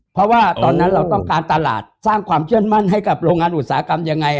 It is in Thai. เพราะว่าตอนนั้นเราต้องการตลาดสร้างความเชื่อมั่นให้กับโรงงานอุตสาหกรรมยังไง